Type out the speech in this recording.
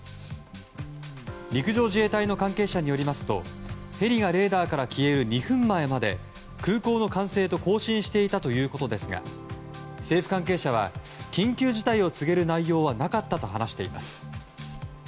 陸上自衛隊の関係者によりますとヘリがレーダーから消える２分前まで空港の管制と交信していたということですが政府関係者は緊急事態を告げる内容はなかったと話しています。